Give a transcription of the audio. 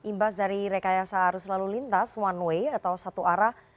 imbas dari rekayasa arus lalu lintas one way atau satu arah